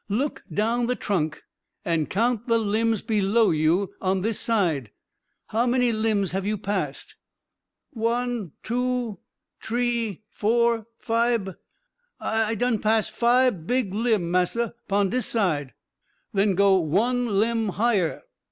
Look down the trunk and count the limbs below you on this side. How many limbs have you passed?" "One, two, tree, four, fibe I done pass fibe big limb, massa, 'pon dis side." "Then go one limb higher."